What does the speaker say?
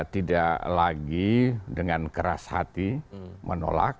tidak lagi dengan keras hati menolak